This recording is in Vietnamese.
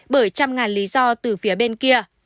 bởi trăm ngàn lý do từ phía bên kia